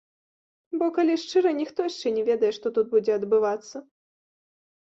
Бо калі шчыра, ніхто яшчэ не ведае, што тут будзе адбывацца.